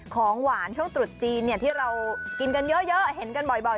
ของหวานช่วงตรุษจีนที่เรากินกันเยอะเห็นกันบ่อย